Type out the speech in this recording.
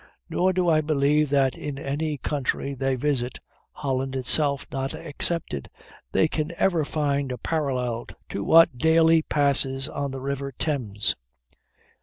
Nor do I believe that in any country they visit (Holland itself not excepted) they can ever find a parallel to what daily passes on the river Thames.